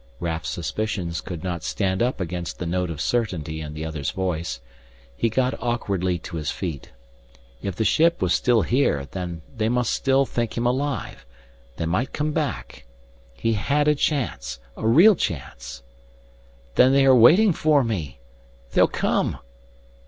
Raf's suspicions could not stand up against the note of certainty in the other's voice. He got awkwardly to his feet. If the ship was still here, then they must still think him alive They might come back! He had a chance a real chance! "Then they are waiting for me They'll come!"